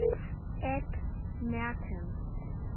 App merken.